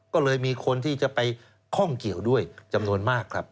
ก็เลยมีคนที่จะไปข้องเกี่ยวด้วยจำนวนมากครับ